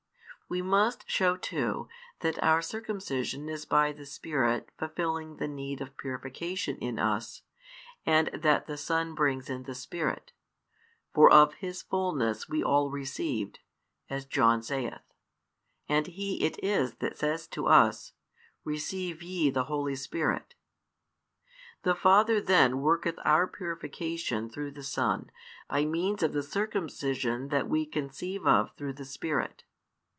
We must show, too, that our circumcision is by the Spirit fulfilling the need of purification in us, and that the Son brings in the Spirit; for of His fulness we all received, as John saith; and He it is that says to us, Receive ye the Holy Spirit. The Father then worketh |381 our purification through the Son, by means of the circumcision that we conceive of through the Spirit.